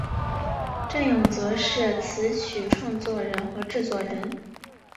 振永则是词曲创作人和制作人。